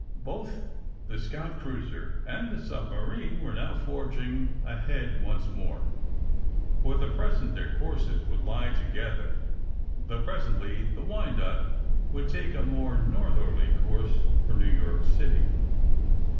Both the scout cruiser and the submarine were now forging ahead once more. For the present their courses would lie together, though pres ently the ^^Wyanoke'' would take a more north erly course for New York City.